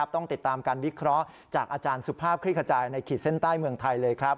ต้องติดตามการวิเคราะห์จากอาจารย์สุภาพคลิกขจายในขีดเส้นใต้เมืองไทยเลยครับ